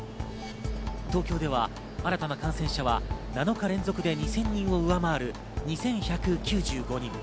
東京では新たな感染者は７日連続で２０００人を上回る２１９５人。